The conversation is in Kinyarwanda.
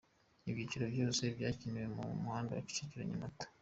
Ibyiciro byose byakiniwe mu muhanda wa Kicukiro – Nyamata.